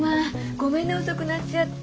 ごめんね遅くなっちゃって。